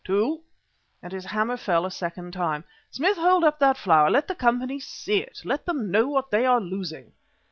Two," and his hammer fell a second time. "Smith, hold up that flower. Let the company see it. Let them know what they are losing."